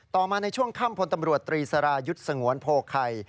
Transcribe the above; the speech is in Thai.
มาในช่วงค่ำพลตำรวจตรีสรายุทธ์สงวนโพไข่